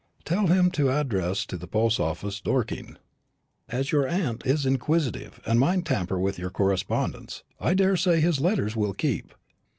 "Tell him to address to the post office, Dorking, as your aunt is inquisitive, and might tamper with your correspondence. I daresay his letters will keep."